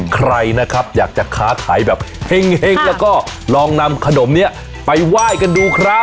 ใครนะครับอยากจะค้าขายแบบเฮ่งแล้วก็ลองนำขนมนี้ไปไหว้กันดูครับ